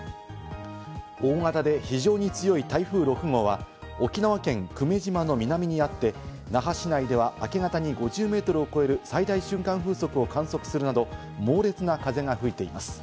大型で非常に強い台風６号は沖縄県久米島の南にあって、那覇市内では明け方に５０メートルを超える最大瞬間風速を観測するなど、猛烈な風が吹いています。